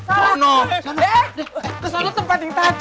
eh ke sana tempat yang tadi